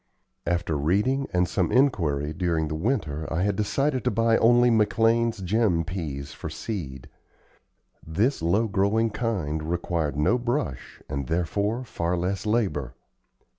After reading and some inquiry during the winter I had decided to buy only McLean's Gem peas for seed. This low growing kind required no brush and, therefore, far less labor.